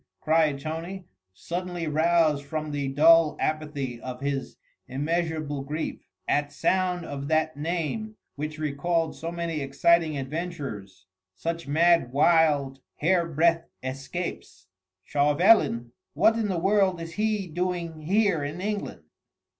cried Tony, suddenly roused from the dull apathy of his immeasurable grief, at sound of that name which recalled so many exciting adventures, such mad, wild, hair breadth escapes. "Chauvelin! What in the world is he doing here in England?"